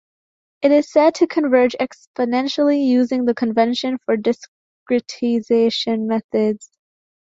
It is said to converge exponentially using the convention for discretization methods.